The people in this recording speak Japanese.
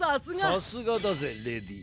さすがだぜレディー。